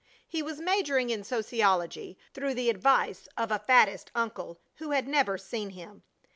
He was majoring in sociology through the advice of a faddist uncle who had never seen him.